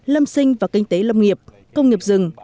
lâm sinh và kinh tế lâm nghiệp công nghiệp rừng